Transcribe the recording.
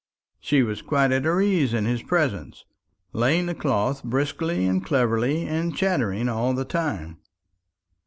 She was quite at her ease in his presence, laying the cloth briskly and cleverly, and chattering all the time.